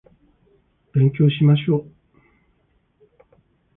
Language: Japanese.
勉強しましょう